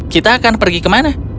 kita akan pergi ke mana